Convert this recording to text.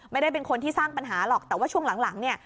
ไม่ได้เป็นคนที่สร้างปัญหาหรอกแต่ว่าช่วงหลังเนี่ย